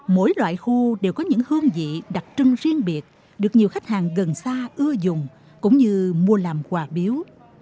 mỗi loại khô đều có những hương vị đặc trưng riêng biệt được nhiều khách hàng gần xa ưa dùng cũng như mua làm quà biếu